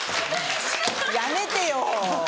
やめてよ！